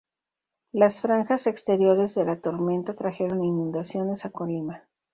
Las franjas exteriores de la tormenta trajeron inundaciones a Colima.